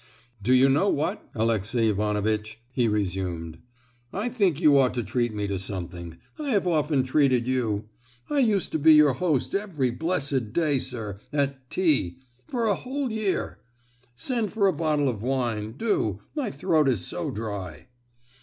"Do you know what, Alexey Ivanovitch," he resumed, "I think you ought to treat me to something,—I have often treated you; I used to be your host every blessed day, sir, at T——, for a whole year! Send for a bottle of wine, do—my throat is so dry!"